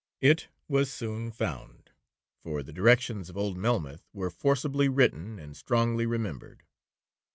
It was soon found, for the directions of old Melmoth were forcibly written, and strongly remembered.